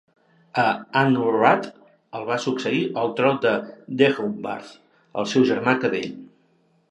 A Anarawd el va succeir al tro de Deheubarth el seu germà Cadell.